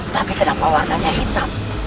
tapi kenapa warnanya hitam